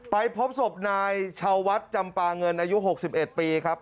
ไปพบศพนายชาววัดจำปาเงินอายุ๖๑ปีครับ